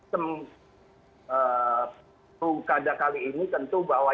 pilkada kali ini tentu bahwa